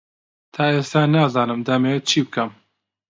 تا ئێستا نازانم دەمەوێت چی بکەم.